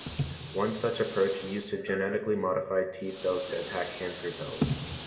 One such approach used genetically modified T cells to attack cancer cells.